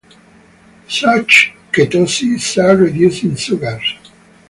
Such ketoses are reducing sugars.